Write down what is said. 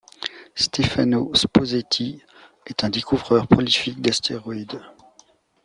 Stefano Sposetti est un découvreur prolifique d'astéroïdes.